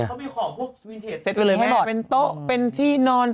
เขามีของพวกสวินเทจเซ็ตกันเลยไม่บอกเป็นโต๊ะเป็นที่นอน